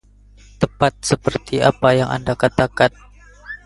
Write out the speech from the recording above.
Tepat seperti apa yang Anda katakan.